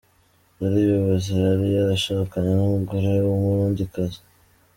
Yari yubatse, yari yarashakanye umugore w’umurundikazi.